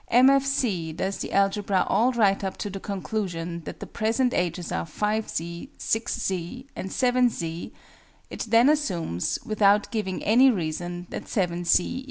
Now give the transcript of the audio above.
M. F. C. does the algebra all right up to the conclusion that the present ages are 5_z_, 6_z_, and 7_z_; it then assumes, without giving any reason, that 7_z_ = 21.